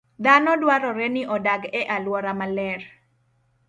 Dhano dwarore ni odag e alwora maler.